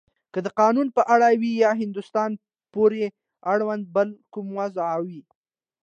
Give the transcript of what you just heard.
که د قانون په اړه وی یا هندوستان پورې اړونده بله کومه موضوع وی.